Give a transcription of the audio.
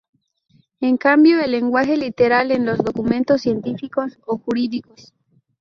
En cambio, el lenguaje literal en los documentos científicos o jurídicos.